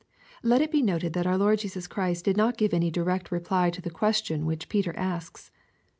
] Let it be noted that our Lord Jesua Christ did not give any direct reply to the question which Peter asked.